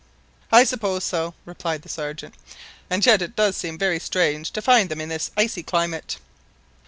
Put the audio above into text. "I suppose so," replied the Sergeant; "and yet it does seem very strange to find them in this icy climate."